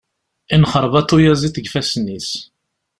Yenxerbaḍ uyaziḍ deg ifassen-is.